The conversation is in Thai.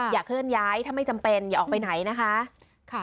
เคลื่อนย้ายถ้าไม่จำเป็นอย่าออกไปไหนนะคะ